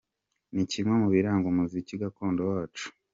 Ni kimwe mu biranga umuziki gakondo wacu.